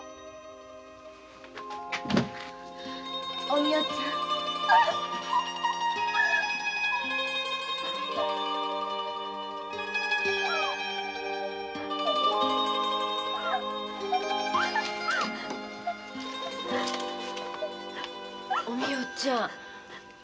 おみよちゃん